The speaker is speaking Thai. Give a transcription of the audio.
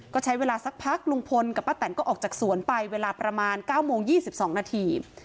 ก็ใช้เวลาสักพักลุงพลกับป้าแตนก็ออกจากสวนไปเวลาประมาณ๙โมง๒๒นาที